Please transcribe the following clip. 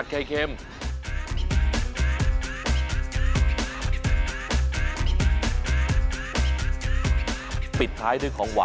ไม่รอชาติเดี๋ยวเราลงไปพิสูจน์ความอร่อยกันครับ